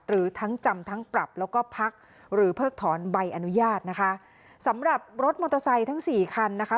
หรือทั้งจำทั้งปรับแล้วก็พักหรือเพิกถอนใบอนุญาตนะคะสำหรับรถมอเตอร์ไซค์ทั้งสี่คันนะคะ